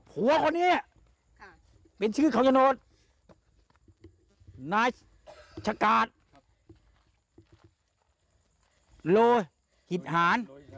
ผัวคนนี้เป็นชื่อเขาชะโนธนายชะกาดโลกิจหาร